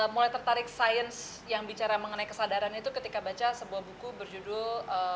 mulai tertarik sains yang bicara mengenai kesadaran itu ketika baca sebuah buku berjudul